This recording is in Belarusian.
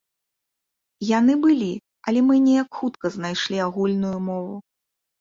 Яны былі, але мы неяк хутка знайшлі агульную мову.